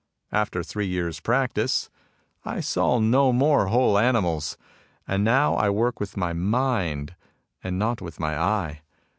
After three years' practice, I saw no more whole animals. And now I work with my mind and not with my eye.